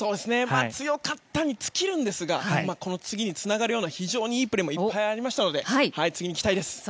強かったに尽きるんですがこの次につながるような非常にいいプレーもいっぱいありましたので次に期待です。